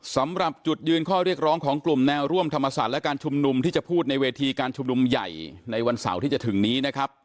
สำหรับจุดยืนข้อเรียกร้องของกลุ่มแนวร่วมธรรมศาสตร์และการชุมนุมที่จะพูดในเวทีการชุมนุมใหญ่ในวันเสาร์ที่จะถึงนี้นะครับ